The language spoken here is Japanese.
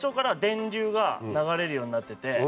流れるようになってて。